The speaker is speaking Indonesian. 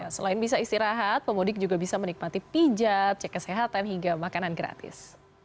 selain bisa istirahat pemudik juga bisa menikmati pijat cek kesehatan hingga makanan gratis